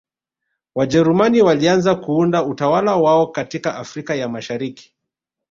Wajerumani walianza kuunda utawala wao katika Afrika ya Mashariki